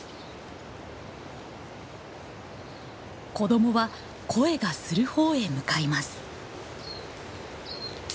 子どもは声がするほうへ向かいます。